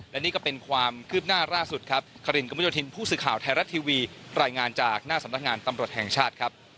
และนี่ก็เป็นความคืบหน้าล่าสุดครับคารินกระมุโยธินผู้สื่อข่าวไทยรัฐทีวีรายงานจากหน้าสำนักงานตำรวจแห่งชาติครับ